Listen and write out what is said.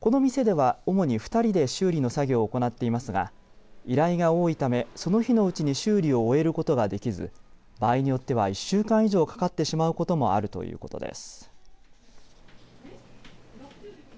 この店では主に２人で修理の作業を行っていますが依頼が多いためその日のうちに修理を終えることができず場合によっては１週間以上かかってしまうこともあるということです。